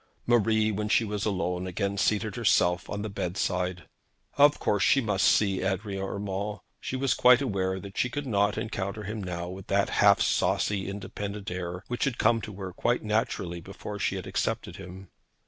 Marie, when she was alone, again seated herself on the bedside. Of course she must see Adrian Urmand. She was quite aware that she could not encounter him now with that half saucy independent air which had come to her quite naturally before she had accepted him.